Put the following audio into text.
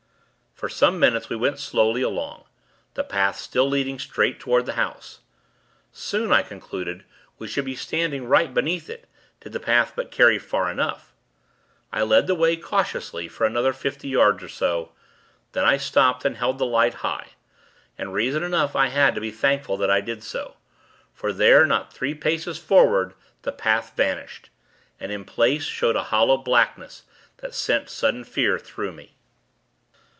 For some minutes we went slowly along; the path still leading straight toward the house. Soon, I concluded, we should be standing right beneath it, did the path but carry far enough. I led the way, cautiously, for another fifty yards, or so. Then, I stopped, and held the light high; and reason enough I had to be thankful that I did so; for there, not three paces forward, the path vanished, and, in place, showed a hollow blackness, that sent sudden fear through me.